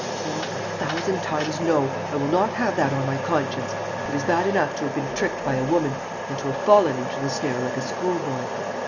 No, a thousand times no, I will not have that on my conscience! It is bad enough to have been tricked by a woman and to have fallen into the snare like a schoolboy.